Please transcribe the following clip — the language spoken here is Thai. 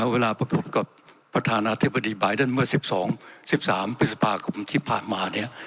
เวลาพบกับประธานาธิบดีบายเดิร์นเมื่อ๑๒๑๓พฤษภาคมที่ผ่านมาเนี่ย